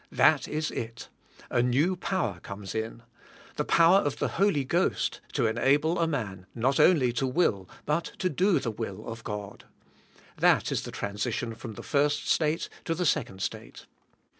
That is it. A new power comes in. The power of the Holy Ghost, to enable a man, not only to will, but to do the will of God. That is the transition from the first state to the second state.